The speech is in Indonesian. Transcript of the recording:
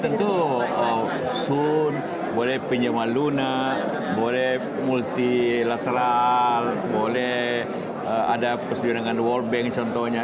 tentu sun boleh pinjaman lunak boleh multilateral boleh ada persediaan world bank contohnya